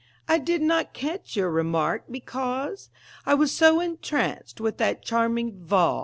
"I did not catch your remark, because I was so entranced with that charming vaws!"